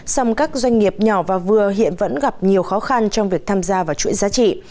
song các doanh nghiệp nhỏ và vừa hiện vẫn gặp nhiều khó khăn trong việc tham gia vào chuỗi giá trị